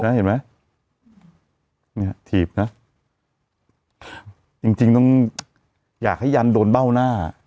เห็นไหมเนี่ยถีบนะจริงจริงต้องอยากให้ยันโดนเบ้าหน้า